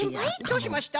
どうしました？